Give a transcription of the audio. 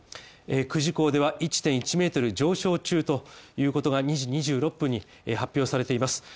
久慈港では１．１ｍ上昇中ということが２６分に発表されています